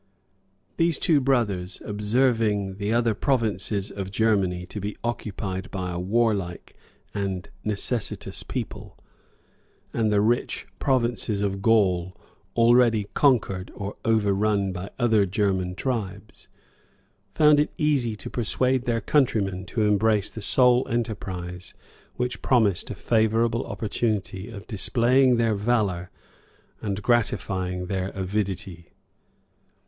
These two brothers, observing the other provinces of Germany to be occupied by a warlike and necessitous people, and the rich provinces of Gaul already conquered or overrun by other German tribes, found it easy to persuade their countrymen to embrace the sole enterprise which promised a favorable opportunity of displaying their valor and gratifying their avidity.